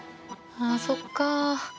あそっか。